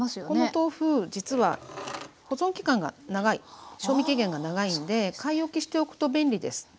この豆腐実は保存期間が長い賞味期限が長いので買い置きしておくと便利です。